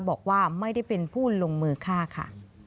บอกว่าไม่ได้เป็นผู้ลงมือฆ่าค่ะ